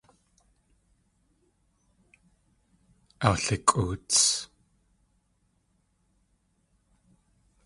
Awlikʼoots.